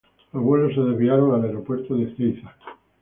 Los vuelos se desviaron al aeropuerto de Ezeiza.